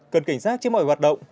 cần cảnh giác trước mọi hoạt động